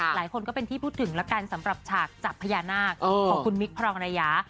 หลายคนก็เป็นที่พูดถึงแล้วกันสำหรับฉากจับพญานาคของคุณมิคพรองระยา